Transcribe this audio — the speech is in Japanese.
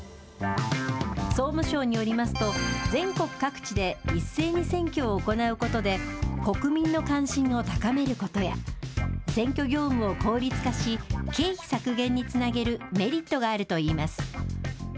総務省によりますと、全国各地で一斉に選挙を行うことで、国民の関心を高めることや、選挙業務を効率化し、経費削減につなげるメリットがあるといいます。